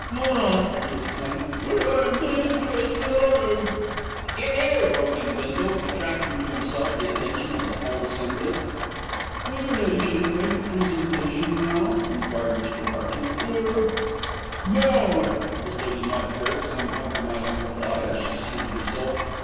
"Ah!" he exclaimed, "we are indeed greatly honoured." "'Ere, 'ere!" broke in Bindle, attracting to himself the attention of the whole assembly. "Will your Ladyship make the presentation now?" enquired Mr. Hearty, "or " "Now!" was Lady Knob Kerrick's uncompromising reply, as she seated herself.